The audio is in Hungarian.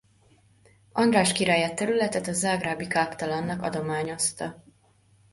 András király a területet a zágrábi káptalannak adományozta.